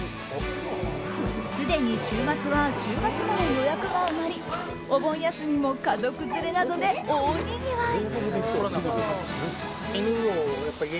すでに週末は１０月まで予約が埋まりお盆休みも家族連れなどで大にぎわい。